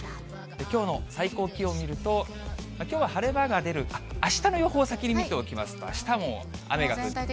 きょうの最高気温見ると、きょうは晴れ間が出る、あっ、あしたの予報を先に見ておきますと、あしたも雨が降って。